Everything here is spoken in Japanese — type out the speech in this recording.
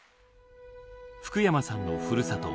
福山さんのふるさと